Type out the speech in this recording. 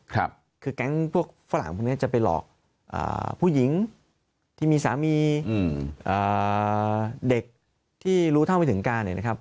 คือแก๊งพวกฝรั่งพวกนี้จะไปหลอกผู้หญิงที่มีสามีเด็กที่รู้เท่าไม่ถึงการเนี่ยนะครับ